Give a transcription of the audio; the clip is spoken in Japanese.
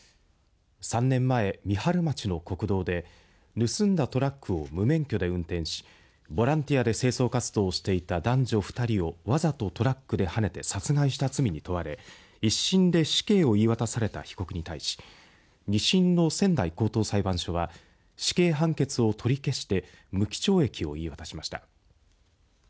３年前、三春町の国道で盗んだトラックを無免許で運転しボランティアで清掃活動をしていた男女２人をわざとトラックではねて殺害した罪に問われ一審で死刑を言い渡された被告に対し二審の仙台高等裁判所は死刑判決を取り消して無期懲役を言い渡しました。